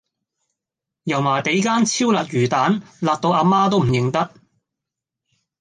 油麻地間超辣魚蛋辣到阿媽都唔認得